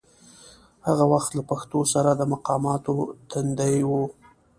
هغه وخت له پښتو سره د مقاماتو تندي و.